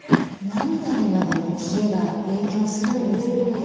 涙にまで冷えが影響するんですね。